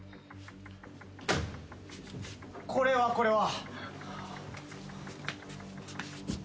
・これはこれは。